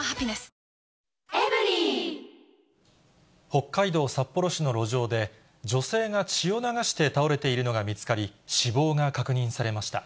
北海道札幌市の路上で、女性が血を流して倒れているのが見つかり、死亡が確認されました。